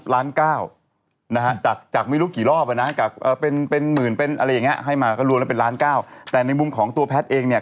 แล้วก็ปิดล้านแล้วก็ซื้อกันอย่างเงี้ย